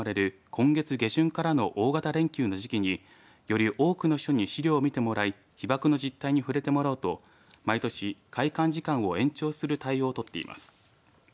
今月下旬からの大型連休の時期により多くの人に資料を見てもらい被爆の実態に触れてもらおうと毎年、開館時間を延長する対応を取っています。